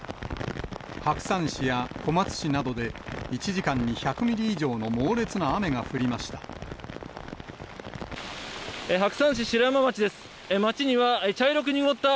白山市や小松市などで、１時間に１００ミリ以上の猛烈な雨が降りました。